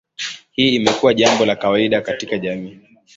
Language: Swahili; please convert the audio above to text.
Hii imekuwa jambo la kawaida katika jamii.